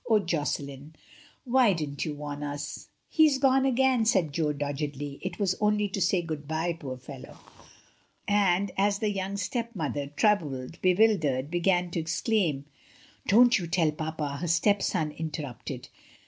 "Oh, Josselin, why didn't you warn us?" "He is gone again," said Jo doggedly; "it was only to say good bye, poor fellow." And, as the young stepmother, troubled, bewildered, began to exclaim: "Don't you tell papa," her stepson inter rupted.